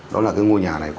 đó là cái ngôi nhà này